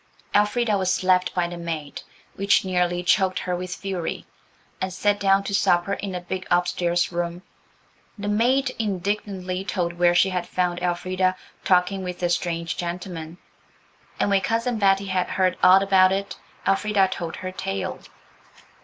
Elfrida was slapped by the maid, which nearly choked her with fury, and set down to supper in the big upstairs room. The maid indignantly told where she had found Elfrida "talking with a strange gentleman," and when Cousin Betty had heard all about it Elfrida told her tale.